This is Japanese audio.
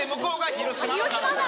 広島だ！